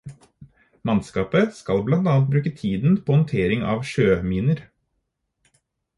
Mannskapet skal blant annet bruke tiden på håndtering av sjøminer.